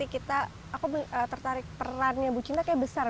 kita aku tertarik perannya bu cinta kayak besar